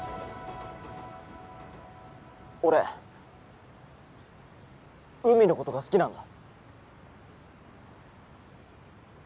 俺うみのことが好きなんだ。